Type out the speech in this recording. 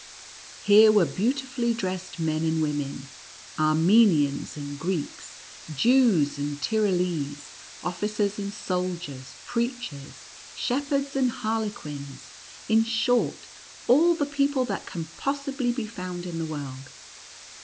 Here were beautifully dressed men and women, Armenians and Greeks, Jews and NUTCEACKER AND MOUSE KING. 121 Tyrolese, officers and soldiers, preachers, shep herds, and harlequins — in short, all the people that can possibly be found in the world.